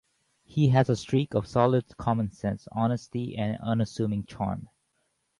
He has a streak of solid common sense, honesty, and unassuming charm.